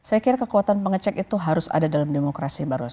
saya kira kekuatan pengecekan itu harus ada dalam demokrasi baru